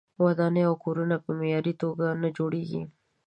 ودانۍ او کورونه په معیاري توګه نه جوړیږي.